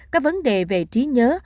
các vấn đề về trí nhớ